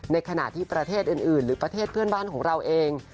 ในขณะที่ประเทศอื่นหรือประเทศเพื่อนบ้านของเราเอง